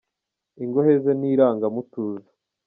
Ingohe ze ni irangamutuzo